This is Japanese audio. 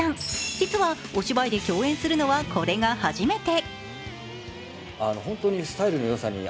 実は、お芝居で共演するのはこれが初めて。